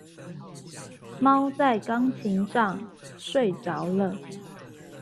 貓在鋼琴上睡著了